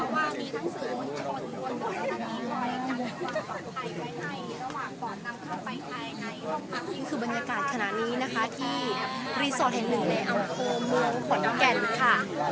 ตอนนี้คือบรรยากาศขนาดนี้นะคะที่รีสอร์ทแห่งหนึ่งในอัมโพมเมืองขวัญแก่นค่ะ